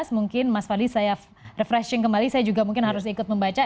mungkin mas fadli saya refreshing kembali saya juga mungkin harus ikut membaca